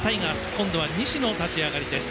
今度は西の立ち上がり。